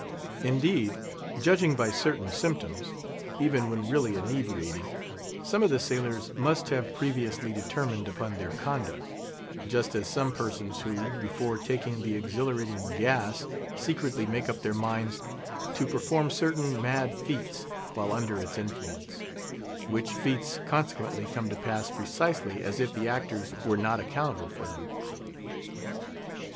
Indeed—judging by certain symptoms—even when really inebriated, some of the sailors must have previously determined upon their conduct; just as some persons who, before taking the exhilarating gas, secretly make up their minds to perform certain mad feats while under its influence, which feats consequently come to pass precisely as if the actors were not accountable for them.